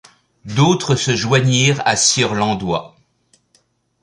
D’autres se joignirent à sieur Landoys.